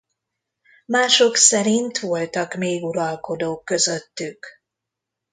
Mások szerint voltak még uralkodók közöttük.